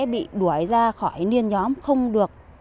bị đuổi ra khỏi liên nhóm không được